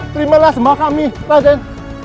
terimalah semua kami raden